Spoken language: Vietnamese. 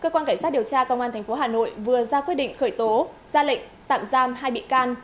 cơ quan cảnh sát điều tra công an tp hà nội vừa ra quyết định khởi tố ra lệnh tạm giam hai bị can